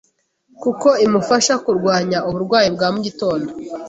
kuko imufasha kurwanya uburwayi bwa mu gitondo,